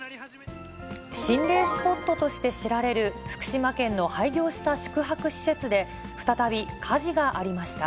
心霊スポットとして知られる、福島県の廃業した宿泊施設で、再び火事がありました。